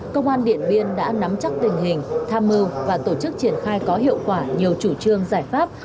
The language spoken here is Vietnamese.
công an điện biên đã nắm chắc tình hình tham mưu và tổ chức triển khai có hiệu quả nhiều chủ trương giải pháp